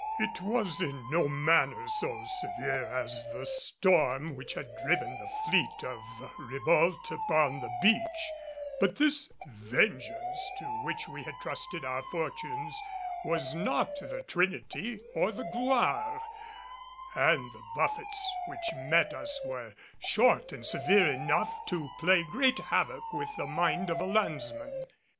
It was in no manner so severe as the storm which had driven the fleet of Ribault upon the beach, but this Vengeance to which we had trusted our fortunes was not the Trinity or the Gloire, and the buffets which met us were short and severe enough to play great havoc with the mind of a landsman.